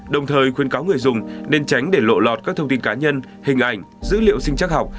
đồng thời khuyến cáo người dùng nên tránh để lộ lọt các thông tin cá nhân hình ảnh dữ liệu sinh chắc học